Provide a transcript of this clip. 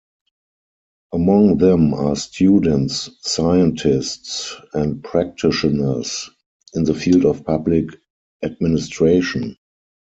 Among them are students, scientists and practitioners in the field of public administration.